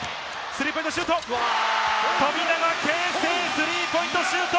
スリーポイントシュート！